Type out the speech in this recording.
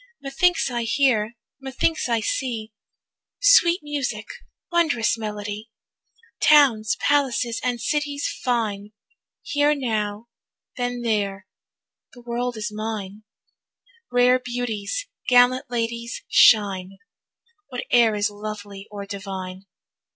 Methinks I hear, methinks I see, Sweet music, wondrous melody, Towns, palaces, and cities fine; Here now, then there; the world is mine, Rare beauties, gallant ladies shine, Whate'er is lovely or divine.